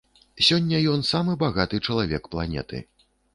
Сёння ён самы багаты чалавек планеты.